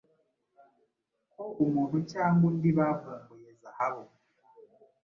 Ko umuntu cyangwa undi bavumbuye zahabu